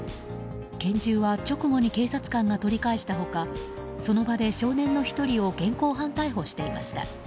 拳銃は直後に警察官が取り返した他その場で少年の１人を現行犯逮捕していました。